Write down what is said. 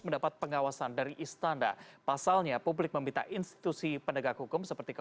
mendapat pengawasan dari istana pasalnya publik meminta institusi pendegak hukum seperti